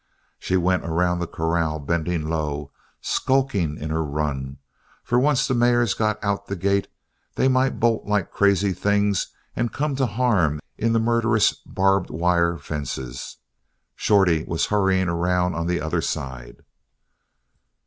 She went around the corral bending low, skulking in her run; for once the mares got out the gate they might bolt like crazy things and come to harm in the murderous barbed wire fences. Shorty was hurrying around on the other side.